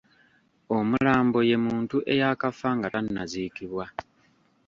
Omulambo ye muntu eyakafa nga tannaziikibwa.